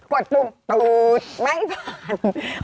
กดปุ่มตูนไม่ผ่าน